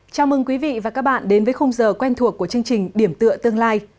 chào mừng quý vị và các bạn đến với khung giờ quen thuộc của chương trình điểm tựa tương lai